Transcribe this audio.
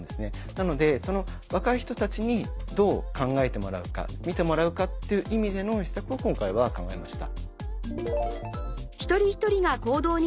なのでその若い人たちにどう考えてもらうか見てもらうかっていう意味での施策を今回は考えました。